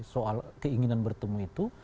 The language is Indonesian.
soal keinginan bertemu itu